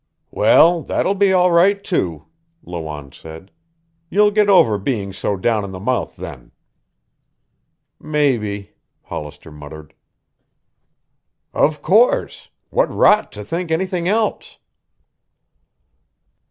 "Well, that'll be all right too," Lawanne said. "You'll get over being so down in the mouth then." "Maybe," Hollister muttered. "Of course. What rot to think anything else."